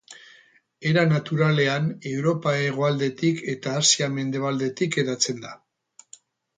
Era naturalean Europa hegoaldetik eta Asia mendebaldetik hedatzen da.